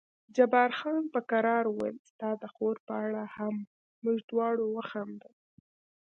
جبار خان په کرار وویل ستا د خور په اړه هم، موږ دواړو وخندل.